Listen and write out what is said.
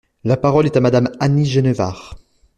La parole est à Madame Annie Genevard.